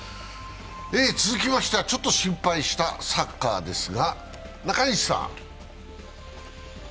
続きましてはちょっと心配したサッカーですが中西さん。